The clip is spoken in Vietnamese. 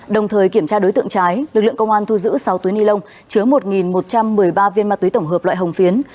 đồng thời kiểm tra đối tượng trái lực lượng công an thu giữ sáu túi ni lông chứa một một trăm một mươi ba viên ma túy tổng hợp loại hồng phiến